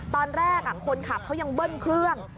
ตอนแรกคนขับเขายังเบิ้ลเครื่อง